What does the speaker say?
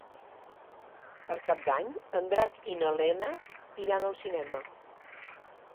Per Cap d'Any en Drac i na Lena iran al cinema.